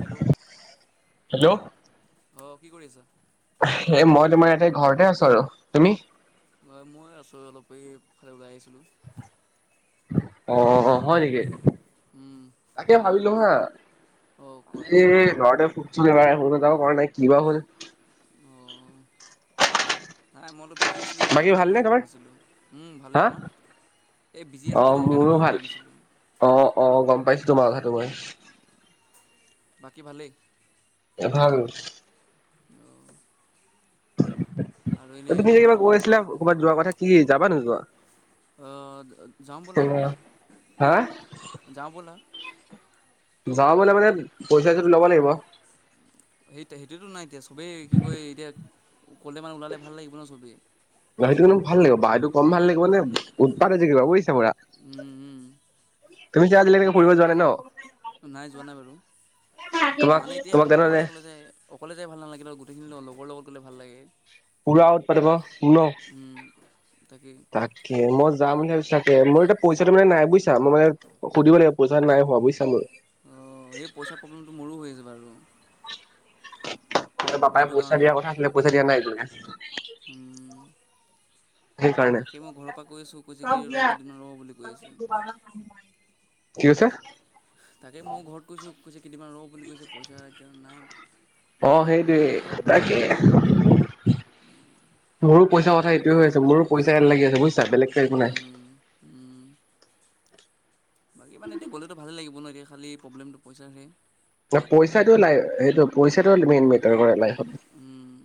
Hello অ hello কি কৰি আছা? এ মই তোমাৰ ইয়াতে ঘৰতে আছোঁ আৰু, তুমি? মই [unintelligible] অলপ এইফালে ওলাই আহিছিলোঁ। [unintelligible] অ', অ, অ, হয় নেকি, তাকে ভাবি [unintelligible] অঁ কোৱা এ ল'ৰাটো [unintelligible] কি'বা হ'ল? অ নাই মই অলপ বিজি আছিলো সেইটো বাকী কাৰণে ভালনে কৰিব পৰা তোমাৰ নাছিলোঁ। ভালেই, হা তোমাৰ? এই বিজি অ আছিলো যে সেইকাৰণে মোৰো কৰিব ভাল পৰা নাছিলো। অ অ গম পাইছো তোমাৰ কথাটো মই বাকী ভালেই। এ ভাল। অ' তুমি যে কিবা কৈ আছিলা ক'ৰবাত যোৱাৰ কথা কি যাবা নোযোৱা আহ যাওঁ বোলা হা যাওঁ ব'লা যাওঁ বলে মানে পইচাটো ল'ব লাগিব সেই কলে মানে ওলালে ভাল লাগিব ন চবিেই অ' সেইটো কম ভাল লাগিব বা সটো কম ভাল লাগিব মানে উৎপাতে যে কিব বুজিছ পুৰা উম উম তুমি যে আজিলেকে ফুৰিব যোৱা নাই ন নাই যোৱা নাই বাৰু তোমাক মানে এতিয়া তোমাক তেনেহ'লে অকলে অকলে যায় অকলে যাই ভাল নালাগে ল লগৰ লগত গ'লে ভাল লাগে। পুৰা উৎপাত হব ন, উম, তাকেই তাকে মই যা যাম বুলি ভাবিছো তাকে মোৰ এতিয়া পইচা টো মানে নাই বুইছা মই মানে সুধিব লাগিব পইচাটো নাই হোৱা বুজিছ মোৰ। অ এই পইচা প্ৰব্লেমটো মোৰো হৈ আছে বাৰু। ত পাপাই সেইটো পইচা দিয়া কাৰণেহে কথাছিলে ল, পইচা দিয়া নাই। [unintelligible] উম, সেইকাৰণে তাকে মই ঘৰৰ পৰা কৈ আছোঁ কৈছে কি ৰ কেইদিন ৰ বুলি কৈ আছে। কি কৈছে? তাকে মই ঘৰত কৈছো কেইদিনমান ৰ বুলি কৈছে পইচা এতিয়া নাই। অ সেইটোৱে এই তাকে মোৰো পইচা কথা এইটোৱে মোৰো পইচা লাগি আছে বুই ছা বেলেগটো একো নাই। উম, উম, বাকী মানে এতিয়া গ'লেতো ভালেই লাগিব ন এতিয়া খালি প্ৰব্লেমটো পইচাৰ হে। পইচাটো নাই সেইটো পইচাটো মেইন মেটাৰ কৰে লাইফ ফত। উম,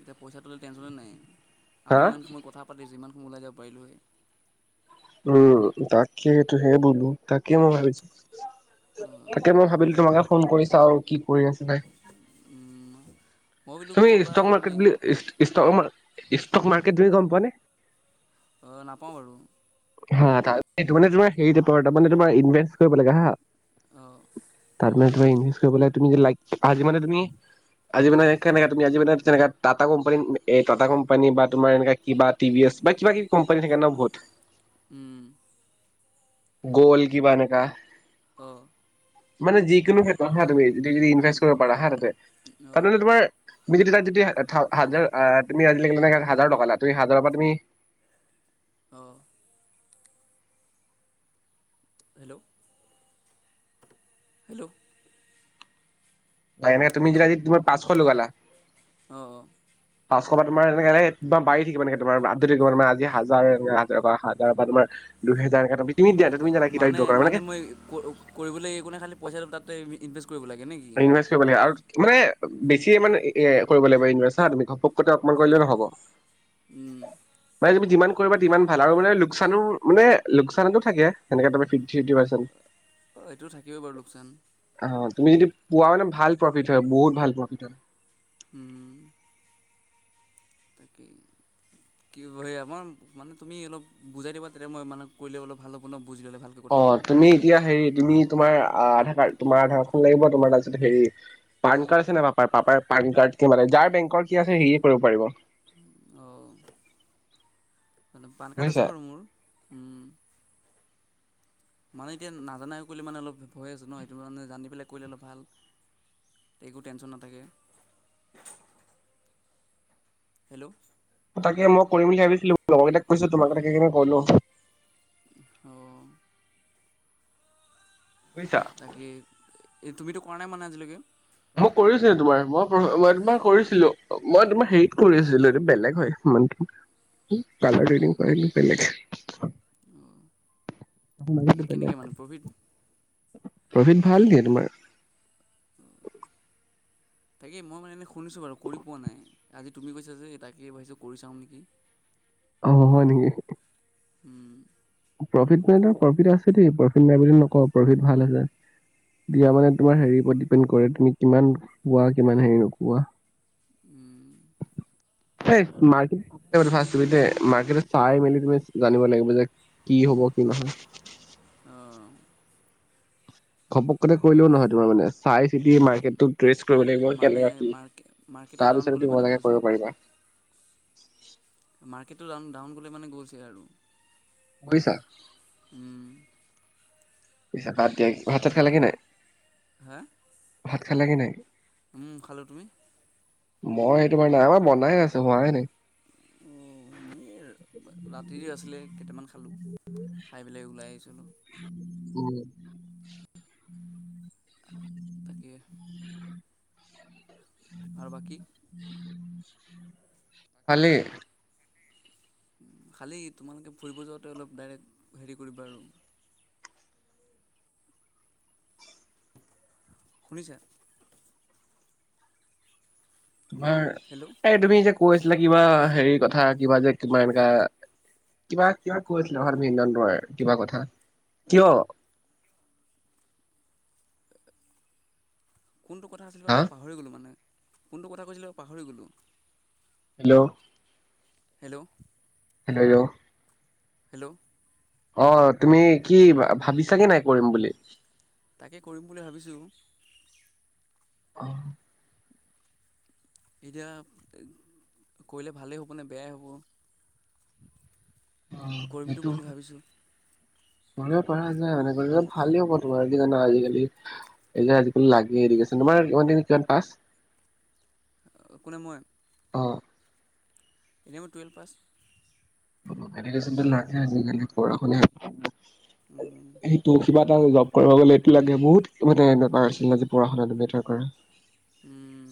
এতিয়া পইচাটো'লে টেনশ্যনে নাই। আমি হা ইমান সময় কথা পাতি যিমান ওলাই যাব পাৰিলো হয়। উম তাকে তু সেই বোৰ তাকেই মই ভাবিছোঁ। অ' তাকে মই ভাবিলো তোমাকে ফোন কৰি চাওঁ। কি কৰি আছ নাই উম, মই বোলো তুমি ক'ত বা ষ্টক তুমি মাৰ্কেট বুলি ষ্টক মাৰ ষ্টক মাৰ্কেট তুমি গম পোৱা নে? অ নাপাওঁ বাৰু। হা তাতে তোমাৰ হৰি তাৰে তোমাৰ ইভেষ্ট কৰিব লাগে হা। অঁ। কিবা ইনভেষ্ট কৰিব লাগে তুমি লাইক আজি মানে তুমি আজি মানে একমেয়া তুমি আজি মানে তেনেকা টাটা কোম্পানীত এটা কোম্পানী বা তোমাৰ এ কিবা টিভিএছ বা কিবা কিবি কোম্পানী থাকে ন বহুত। উম। গল কিবা এনেকা। অ। মানে যিকোনো ঠাইত আহা তুমি য যদি ইনভেষ্ট কৰিব পাৰা হা তাতে, অঁ তাতে তোমাৰ তুমি যদি তাত যদি হাজাৰ আহ তুমি আজিলিলে হাজাৰ টকা লা তুমি হাজাৰৰ পৰা তুমি অ। হেল্ল' হেল্ল' বা এনে যেতিয়া যি পাঁচ কত 'লগা'লা? অ' পাঁচশ তোমাৰ এনে তোমাৰ বাৰি থাকিব এনে থাকিব আজি হাজাৰ বা হাজাৰ তোমাৰ দুহেজাৰ তুমি দিয়া তুমি জানা কেইটা মানে উইড্ৰ কৰা মানে মই কৰিবলৈ একো নাই খালী পইচাটো তাতে ইনভেষ্ট কৰিব লাগে নে কি ইনভেষ্ট কৰিব লাগে আৰু মানে বেছি ইনভেষ্ট কৰিব লাগিব ইছা তুমি ঘপকক অকমান কৰিলে নহ'ব উম মানে যিমান কৰিবা মান ভাল আৰু মানে লোকচানো মানে লোকচানতো থাকে সেকে ত ফিফ ফিফট পাৰ্চেণ্ট অ এইটো থাকিব বাৰু লোকচান অ তুমি যদি পোৱা মানে ভাল প্ৰফিট হয় বহুত ভাল প্ৰফিট হয় উম তাকে কি হে আমাৰ মানে তুমি অলপ বুজাই দিবা তেতিয়া মই মানে কৰিলে অলপ ভাল হ'ব ন বুজি ল'লে ভালকৈ অ কথাটো তুমি এতিয়া হেৰি তুমি তোমাৰ আধাৰ কাৰ্ডৰ তোমাৰ আধাৰ কাৰ্ডৰ লাগিব তোমাৰ তাৰছত হ পান কাৰ্ড আছে ন পাপাৰ পান কাৰ্ড কি মানে যাৰ বেংকৰ কি আছে সেয়ে কৰিব পাৰিব অ' মানে পান কাৰ্ড বুজিছা? আছে বাৰু মোৰ মানে এতিয়া নাজানাই কৰিলে মানে অলপ ভয় আছো ন সেইটো মান জানি পেলাই কৰিলে অলপ ভাল একো টেনচন নাথাকে হেল্ল' তাকে মই কৰিম বুলি ভাবিছিলো লগৰ কেইটাক কৈ তোমালোকেই কৰি লো অ বুজিছা এ তুমিতো কৰা নাই মানে আজিলৈকে মই কৰিছিলো তোমাৰ মই ম তোমাৰ কৰিছিলো মই তোমাৰ হেৰিত কৰি আছিলো এই অঁ বেলেগ হয় মানে এই তাতে টো কেনেকৈ বেলেগ মানে প্ৰফিট প্ৰফিট ভাল ন তোমাৰ তাকে মই মানে এনে শুনিছো বাৰু কৰি পোৱা নাই আজি তুমি কৈছা যে তাকে ভাবিছো কৰি চাওঁ নেকি আহ হয় নেকি উম প্ৰফিট ন প্ৰফিট আছে দেই প্ৰফিট নাই বুলি নকওঁ প্ৰফিট ভাল আছে দিয়া মানে তোমাৰ হেৰি [unintelligible] উম। [unintelligible] কি হ'ব, কি নহয়? আহঁ। ঘপক কেনে কৰিলেও নহয় তোমাৰ মানে চাই চিতি মাৰ্কেটত [unintelligible] কৰিব লাগিব মানে কেনেকুৱা কি মাৰ্কে মাৰ্কেটটো ডাউন তাৰপিছত গ'লে তুমি মানে ভালকে গৈছে কৰিব পাৰিবা। উ [unintelligible] মাৰ্কেটটো ডাউন ডাউন গ'লে মানে গৈলছে আৰু উম, [unintelligible] [unintelligible] ভাত-চাত খালা কি নাই? হা? খালে গে নাই উম খালোঁ, তুমি? মই সেইটো মানে নাই, আমাৰ বনাই আছে হোৱাই নাই। অ' মই ৰাতিৰে আছিলে কেইটামান খালোঁ, খাই পেলাই ওলাই আহিছোঁ অলপ। উম। তাকে। আৰু বাকী খালি? খালী তোমালোকে ফুৰিব যাওঁতে অলপ ডাইৰেক্ট হেৰি কৰিবা আৰু শুনিছ তোমাৰ হেল্ল' এই তুমি যে কৈছিলে কিবা হেৰি কথা কিবা যে কিবা এনেকাা কিবা কিবা কৈ আছিলে ঘৰত ভৰ কিবা কথা কিয় কোনটোথা আছিল বাু হা মই পাহৰি গলো মানে কোনটো কথা কৈছিলে পাহৰি গ'লোঁ, হেল্ল' হেল্ল' হেল্ল হেল্ল' অ তুমি কি ভাবিছাগে নাই কৰিম বুলি, তাকে কৰিম বুলি ভাবিছোঁ। হয়, এতিয়া কৰিলে ভালেই হ'বনে বেয়াই হ'ব অ কৰিমটো সেইটো বুলি ভাবিছোঁ। পৰা যায় মান ভালেই হ'ব তোমাৰ কি জানা আজিকালি এই যে লাগে এৰিছে তোমাৰ - - ক নিক পছ [unintelligible] কোনে মই অ' সিও টুৱেলভ পাছ [unintelligible] অ' এনেকে যেনিবা [unintelligible] আজিকালি পঢ়া শুনা। সেইটো কিবা জব কৰিব গলে এইটো লাগে বহুত মানে এনো আছিল নেি পঢা শুনাটো মেটাৰ কৰা উম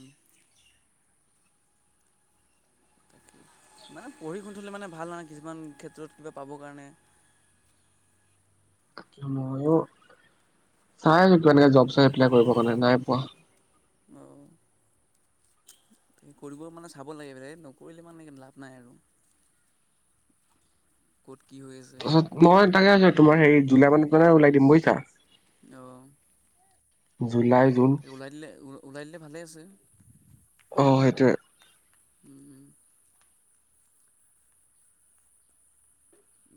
মানে পঢ়ি শুথে মানে ভাল নহ কিছুমান ক্ষেত্ৰত কিবা পাবৰ কাৰণে ময়ো চাইছ এনেক জব চাই এপ্লাই কৰিব কাৰণে নাই পোৱা আহ কৰিব মানে চাব লাগে ব নকৰিলে মানে লাভ নাই আৰু কত কি হৈ আছে তাৰপিছত মই তাকে আছো তোমাৰ হেৰি জুলাই মানত মানে ওাই দিম বুজিছা অ জুলাই জুন এই ওলাই দিলে ওলাই দিলে ভালে আছে। তে উম উম!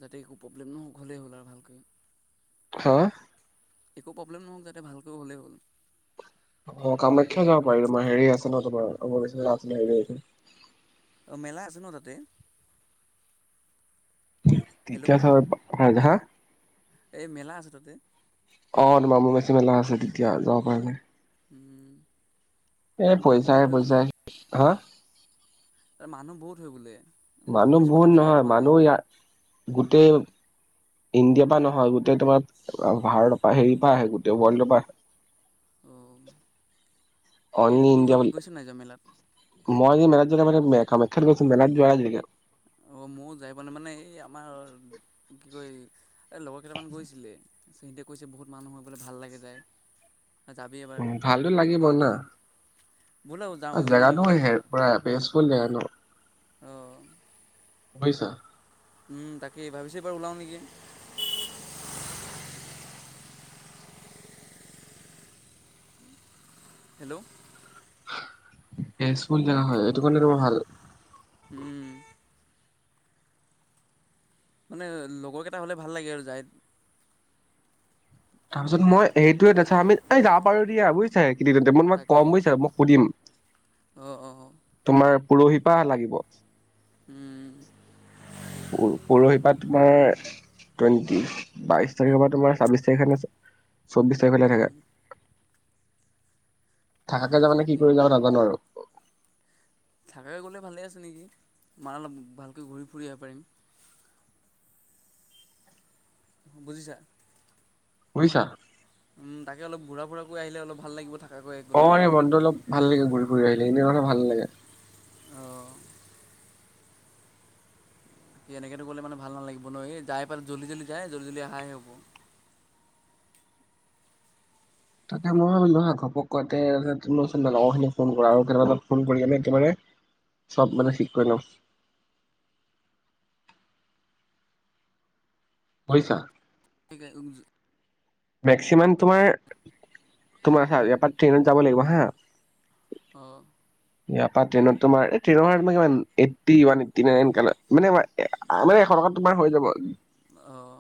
যাতে একো প্ৰব্লেম নহয় হ'লেই হ'ল আৰু ভালকৈ হা! ! একো প্ৰব্লেম নহওক যাতে ভালকৈ হ'লেই হ'ল অ কামাখ্যা যাব পাৰি তোমাৰ হেৰি আছে ন তোমাৰ অ হ মেলা আছে না আতে, হেল্ল' তেতিয়া চাব পাৰো। হ হা! এই মেলা আছে ততে, অ অম্বুবাচী মেলা আছে তেতিয়া যাব পাৰে। হম! এ পইচাই পইচাই হা মানুহ বহুত হৈ বোলে, মই মানুহ শুনিছোঁ মানে বহুত যাই নহয় পোৱা নাই মানুহ ইয়াত গোটেই ইণ্ডিয়াৰ পৰা নহয় গোটেই তোমাৰ ভাৰতৰ পৰা হেৰি পৰা আহে গোটেই ৱৰ্ল্ডৰ পৰা আহে, অ'! কিন্তু অনলি তুমি গৈ ইণ্ডিয়া বুলি গৈছা নাই যোৱা মেলাত মই যে মেলাত য মান কামাখ্যাত গৈছো মেলাত যোৱা জেগা অ মোৰ যাই পোৱা নাই মানে এই আমাৰ, কি কৈ এই লগৰ কেইটামান গৈছিলে। সিহতে গৈছে বহুত মানুহ হৈ বলে ভাল লাগে যায়। জাবি এবাৰ উম মানে, জেগা নো হে প বেছফুল জেগা আহ! বুজিছা, উম তাকেই ভাবিছো এইবাৰ ওলাও নেকি হেল্ল'! সুল যা হয় এইটো কাৰণে ৰ ভাল, উম! মানে লগৰকেইটা হ'লে ভাল লাগে আৰু যাই, তাৰপিছত মই সেইটোয়ে দেছা আমি এই যা পাৰো দিয়া বুজিছ। ই তোমাক তাকেই কম বুজিছা মই সুধিম অঁ অঁ তোমাৰ পৰহিপা লাগিব। উম! পৰহি পৰাা তোমাৰ টুৱেণ্ন্টি বাইশ তাৰিখৰ পৰা তোমাৰ ছাব্বিশ তাৰিখে, চৌববিশ এব্ৰেল উম থকাত, থাকে যাব মানে কি তাকেই কৰি যাব নাজানো আৰু থাকৈ গ'লে ভালে আছে নেকি মাৰ অলপ ভালকৈ ঘূৰি ফুৰি আহিব পাৰিম বুজিছা বুজিছা উম তাকে অল ঘুৰাাুৰাৰাকৈ আহিলে অলপ ভাল লাগিব থাকে অ এই বন্টো অলপ ভাল লাগে গ'ল ঘুৰি আহিলে এনে মথাে ভাল লাগে অঁ স এনেকেতো গ'লে মানে ভাল নালাগিব ন এই যাই পেলাই জল্দি জল্দি যাই জল্দি জলদি অহাইে হ'ব তাতে মই ঘপক কচোন লগৰ খিনি ফোন কৰা আৰু কেেইয়াব ফোন কৰি আমি একেবাৰে চব মানে ঠিক কৰি লওঁ পৈছা ে মেক্সিমাম তোমাৰ তোমাৰ ইয়াৰপ ট্ৰেইনত যাব লাগিব হা আহ ইয়াৰ পৰা ট্ৰেইনত তোমাৰ এইটনৰম এইটৱ মানে ম এশ টকাত তোমাৰ হৈ যাব অঁ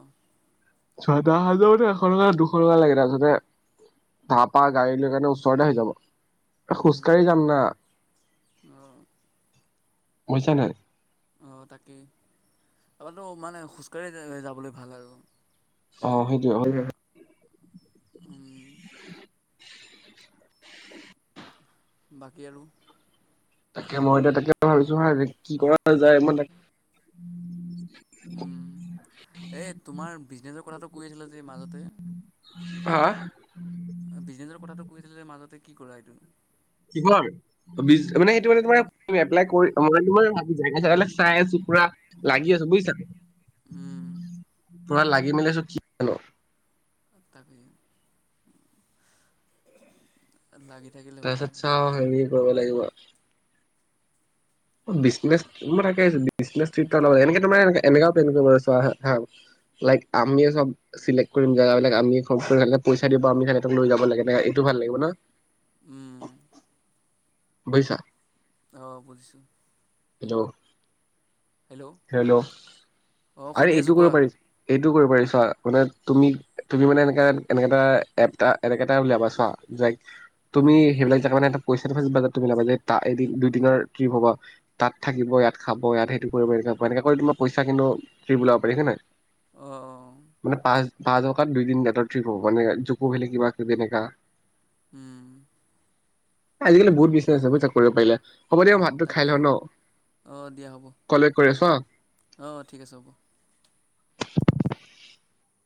ছয় দ হাজাৰো এশ টকা দুশ টকা লাগে তাৰপিছতে তাৰ পৰাা গাড়ী লৈ কাৰণে ওচৰতে হৈ যাব উম খোজকাঢ়ি যাম ন অঁ বুজছা নে অ তাকেই তপৰাো মানে খোজ কঢ়ি যাবলৈ ভাল আৰু অ সেইটোোৱে উম বাকী আৰুলু তাকে মই এতিয়া তাকে ভাবিছো হয় কি কৰা যায় মই তে উম এই তোমাৰ বিজনেচৰ কথাটো কৈ আছিলা যে মাজতে হা বিজনেছৰ কথাটো কৈ আছিল যে মাজতে কি কৰা এইটো কি মানে সেইটো মানে ত এপ মই জ চাক চাইছোুৰা লাগি আছে বুজিছা উম পুৰা লাগি মেলি চো কিান তাক তাৰপিছত চাওঁ হে কৰিব লাগিব মই থাকেত এ এনে তো লাইক আমিয়ে চব চেক্ কৰিম জেগাবিলাক আমিয় পইচা দিব আমি লৈ যাব লাগে এ এইটো ভাল লাগিব ন উম বৈছা আহঁ বুজিছোঁ হেল্লো হেল্ল' অঁ আৰে শুনি এইটো আছোঁ কৰিব কোৱা পাৰিছ এইটো কৰিব পাৰিছা মানে তুমি তুমি মানে এনেকা এনেক এটা এপ এটা এনেক এটা উলিয়াবা ছোৱা তুমি উম সেইবিলাক জাগা মানে পইচাটো বাজেতটো মিলাবা যে এদিন দুইদিনৰ ট্ৰিপ হ'ব তাত থাকিব ইয়াত খাব ইয়াত সেইটো কৰিব এনে মানে এনে কৰি তোমাৰ পইচা কিন্তু কৰি ওলাব পাৰ হয় নে নহয় অঁ মানে পাঁচ বা জকাত দুইদিন দৰ ট্ৰিপ হ'ব মানে জুকো ভেলেকি কিবা কিবি এনেকা উম আজিকালি বহুত বিজনেছ আছে এবাৰ চেক কৰিবা পাৰিলে। হ'ব দিয়ক মই ভাতটো খাই লওঁ তাকেই ন'। ক'লে কৰি আছো হা অ', ঠিক আছে হ'ব।